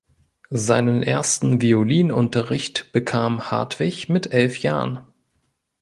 Seinen ersten Violinunterricht bekam Hartwig mit elf Jahren.